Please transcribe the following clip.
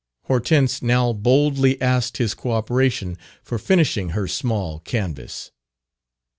Hortense now boldly asked his cooperation for finishing her small canvas.